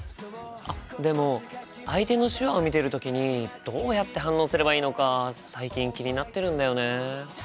あっでも相手の手話を見てる時にどうやって反応すればいいのか最近気になってるんだよね。